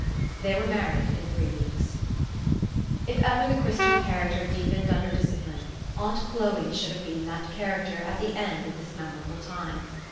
*' They were married in three weeks. If ever the Christian character deepened under dis cipline, aunt Chloe's should have been that character at the end of this memorable time.